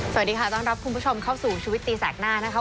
สวัสดีค่ะต้อนรับคุณผู้ชมเข้าสู่ชีวิตตีแสกหน้านะคะ